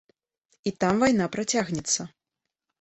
І там вайна працягнецца.